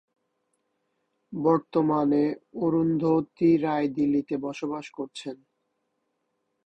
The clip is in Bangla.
বর্তমানে অরুন্ধতী রায় দিল্লিতে বসবাস করছেন।